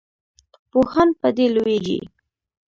پوهان په دې لویږي.